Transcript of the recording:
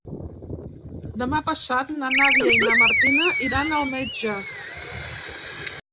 Demà passat na Nàdia i na Martina iran al metge.